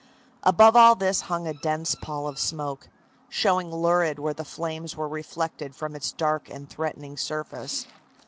Above all this hung a dense pall of smoke, showing lurid where the flames were reflected from its dark and threatening surface.